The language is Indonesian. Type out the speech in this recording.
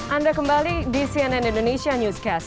anda kembali di cnn indonesia newscast